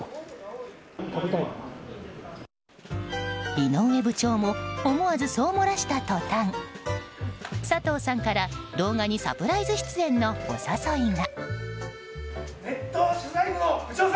井上部長も思わずそう漏らした途端佐藤さんから動画にサプライズ出演のお誘いが。